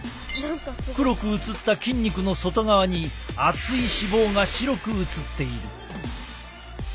黒く映った筋肉の外側に厚い脂肪が白く映っている。